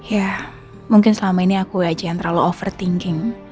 ya mungkin selama ini aku aja yang terlalu overthinking